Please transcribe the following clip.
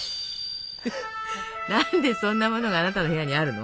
何でそんなものがあなたの部屋にあるの？